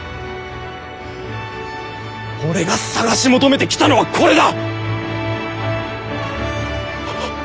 俺が探し求めてきたのはこれだ！